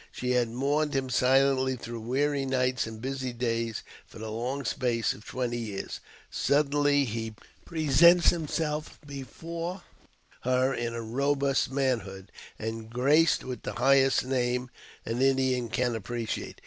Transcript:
She has mourned him silently through weary nights and busy days for the long space of twenty years; suddenly he presents himself before her in robust manhood, and graced with the highest name an Indian can appreciate.